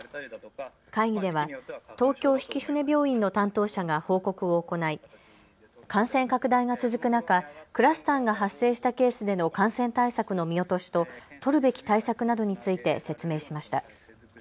会議では東京曳舟病院の担当者が報告を行い感染拡大が続く中、クラスターが発生したケースでの感染対策の見落としと、取るべき対策などについて説明しました。